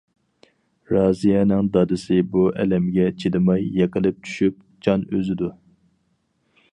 رازىيەنىڭ دادىسى بۇ ئەلەمگە چىدىماي، يىقىلىپ چۈشۈپ جان ئۈزىدۇ.